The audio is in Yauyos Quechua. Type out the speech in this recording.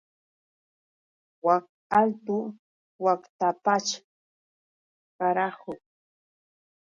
Wak altu waqtapaćhr, ¡karahu!